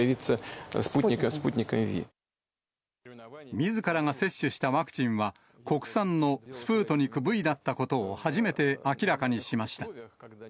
みずからが接種したワクチンは、国産のスプートニクＶだったことを初めて明らかにしました。